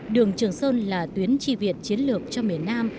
đường trường sơn là tuyến tri việt chiến lược cho miền nam